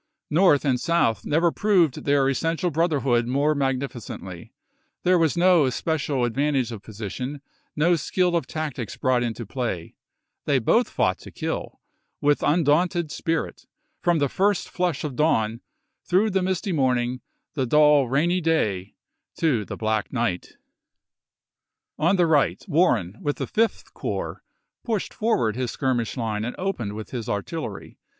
North and South never proved their essential brotherhood more magnificently; there was no especial advantage of position ; no skill of tactics brought into play ; they both fought to kill, with undaunted spirit, from the first flush of dawn, through the misty morning, the dull, rainy day, to the black night. On the right Wan en, with the Fifth Corps, pushed forward his skirmish line and opened with his artiUery.